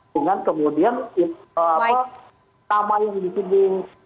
dengan kemudian nama yang disinggung